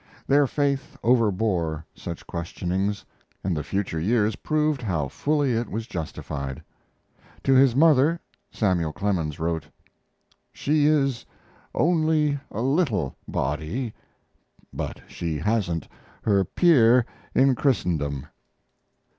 Their faith overbore such questionings, and the future years proved how fully it was justified. To his mother Samuel Clemens wrote: She is only a little body, but she hasn't her peer in Christendom.